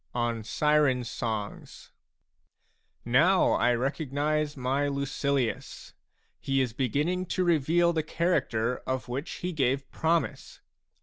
ON SIREN SONGS Now l recognize my Lucilius ! He is beginning to reveal the character of which he gave promise.